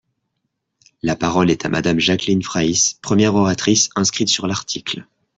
La parole est à Madame Jacqueline Fraysse, première oratrice inscrite sur l’article.